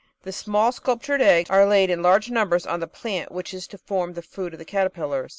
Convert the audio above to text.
The small, sculp tured eggs are laid in large numbers on the plant which is to form the food of the caterpillars.